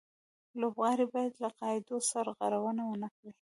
لوبغاړي باید له قاعدو سرغړونه و نه کړي.